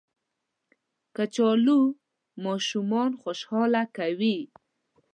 کچالو ماشومان خوشحاله کوي